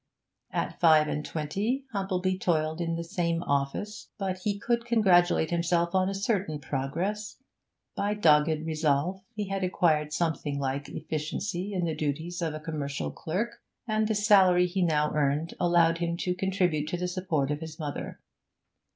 At five and twenty Humplebee toiled in the same office, but he could congratulate himself on a certain progress; by dogged resolve he had acquired something like efficiency in the duties of a commercial clerk, and the salary he now earned allowed him to contribute to the support of his mother.